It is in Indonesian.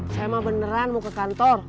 saya emang beneran mau ke kantor